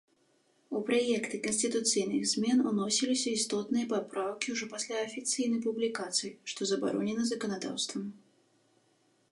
У праекты канстытуцыйных змен уносіліся істотныя папраўкі ўжо пасля афіцыйнай публікацыі, што забаронена заканадаўствам.